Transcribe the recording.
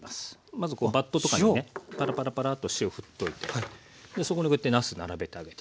まずバットとかにねパラパラパラッと塩をふっといてそこにこうやってなす並べてあげて。